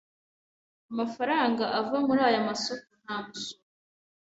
Amafaranga ava muri aya masoko nta musoro.